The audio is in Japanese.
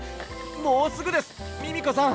もうすぐですミミコさん！